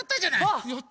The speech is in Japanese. あっ！